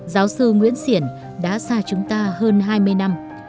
giáo sư nguyễn xiển đã xa chúng ta hơn hai mươi năm